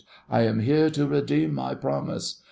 I am here to redeem my promise.